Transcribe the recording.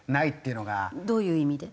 どういう意味で？